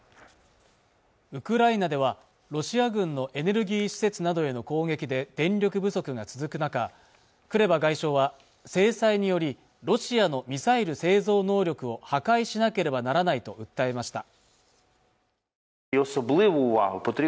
ウクライナではロシア軍のエネルギー施設などへの攻撃で電力不足が続く中クレバ外相は制裁によりロシアのミサイル製造能力を破壊しなければならないと訴えました